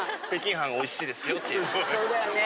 そうだよね